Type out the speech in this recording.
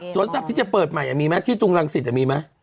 สวนสัตว์ที่จะเปิดใหม่มีไหมที่ปรุงรังศิรษฐ์มีไหม